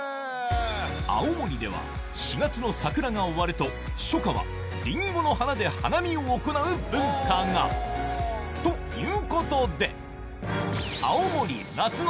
青森では４月の桜が終わると初夏はリンゴの花で花見を行う文化がということで青森